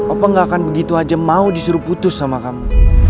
apa nggak akan begitu aja mau disuruh putus sama kamu